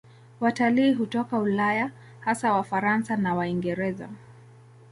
Watalii hutoka Ulaya, hasa Wafaransa na Waingereza.